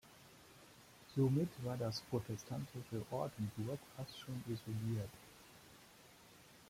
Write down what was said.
Somit war das protestantische Ortenburg fast schon isoliert.